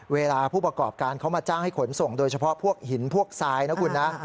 ผู้ประกอบการเขามาจ้างให้ขนส่งโดยเฉพาะพวกหินพวกทรายนะคุณนะ